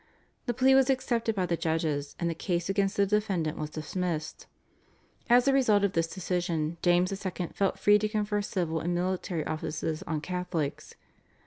The plea was accepted by the judges and the case against the defendant was dismissed. As a result of this decision James II. felt free to confer civil and military offices on Catholics.